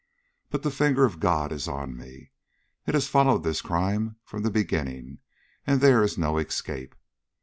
But the finger of God is on me. It has followed this crime from the beginning, and there is no escape.